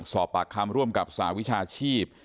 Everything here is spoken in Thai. สอบปากคำร่วมกับสหวิชาชีพ